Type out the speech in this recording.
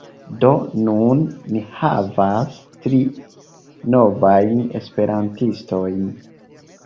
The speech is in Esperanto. Do nun ni havas tri novajn esperantistojn.